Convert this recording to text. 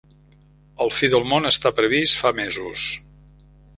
El fi del món està prevista fa mesos.